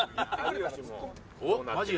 おっマジや。